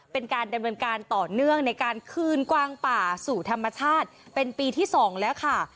เป็นการดำเนินการต่อเนื่องในการคืนกวางป่าสู่ธรรมชาติเป็นปีที่๒แล้วค่ะ